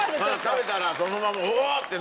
食べたらそのままおおってなるやつ。